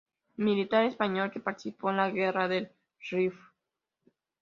Militar español que participó en la Guerra del Rif.